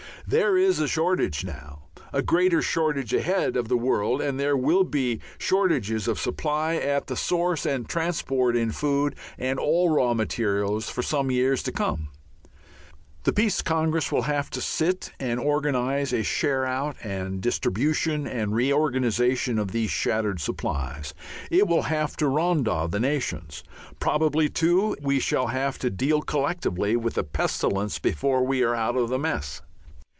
There is a shortage now, a greater shortage ahead of the world, and there will be shortages of supply at the source and transport in food and all raw materials for some years to come. The Peace Congress will have to sit and organize a share out and distribution and reorganization of these shattered supplies. It will have to Rhondda the nations. Probably, too, we shall have to deal collectively with a pestilence before we are out of the mess.